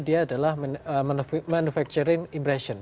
dia adalah manufacturing impression